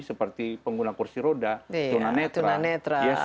seperti pengguna kursi roda turunan netra